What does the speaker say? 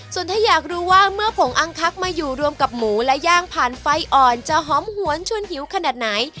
ส่วนถ้าอยากรู้ว่าเมื่อผงอังคักมาอยู่รวมกับหมูและย่างผ่านไฟอ่อนจะหอมหวนชวนหิวขนาดไหน